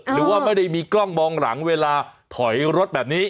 หรือว่าไม่ได้มีกล้องมองหลังเวลาถอยรถแบบนี้